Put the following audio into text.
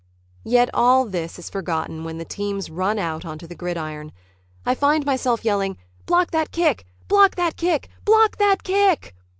Yet all this is forgotten when the teams run out on to the gridiron. I find myself yelling "Block that kick! Block that kick! Block that kick!"